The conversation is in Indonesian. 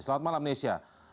selamat malam nesya